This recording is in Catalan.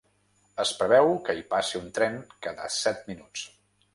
Es preveu que hi passi un tren cada set minuts.